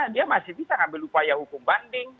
dia masih bisa ngambil upaya hukum banding